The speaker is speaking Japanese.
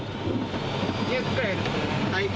はい。